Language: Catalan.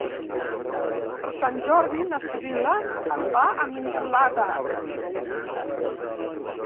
Per Sant Jordi na Sibil·la va a Mislata.